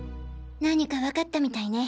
何かわかったみたいね。